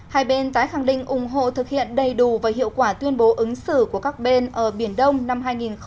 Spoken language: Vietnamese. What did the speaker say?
hai bên tái khẳng định ủng hộ thực hiện đầy đủ và hiệu quả tuyên bố ứng xử của các bên ở biển đông năm hai nghìn hai